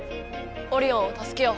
オリオンをたすけよう！